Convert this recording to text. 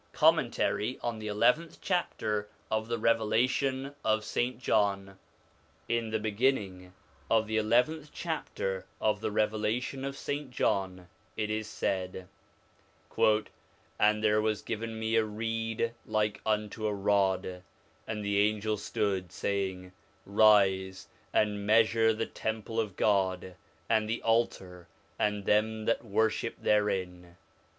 XI COMMENTARY ON THE ELEVENTH CHAPTER OF THE REVELATION OF ST. JOHN IN the beginning of the eleventh chapter of the Revelation of St. John it is said : 'And there was given me a reed like unto a rod: and the angel stood, saying, Rise, and measure the temple of God, and the altar, and them that worship therein.